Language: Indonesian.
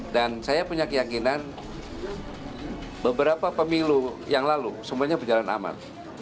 dan saya punya keyakinan beberapa pemilu yang lalu semuanya berjalan aman